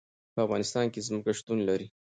په افغانستان کې ځمکه شتون لري.